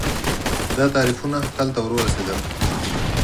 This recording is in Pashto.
دا تعریفونه تل ته ورورسېدل